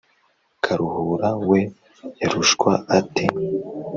karuhura we yarushwa ate